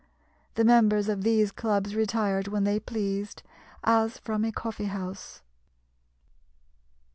The members of these clubs retired when they pleased, as from a coffee house.